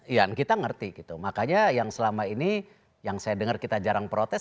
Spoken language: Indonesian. iya kita ngerti gitu makanya yang selama ini yang saya dengar kita jarang protes